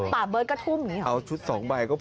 เบิร์ตก็ทุ่มอย่างนี้หรอเอาชุดสองใบก็พอ